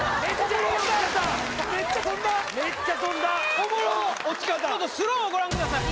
ちょっとスローをご覧ください